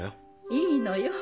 いいのよ